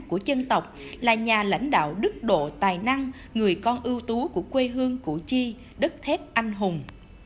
của dân tộc là nhà lãnh đạo đức độ tài năng người con ưu tú của quê hương củ chi đất thép anh hùng